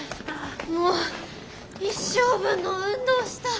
もう一生分の運動した。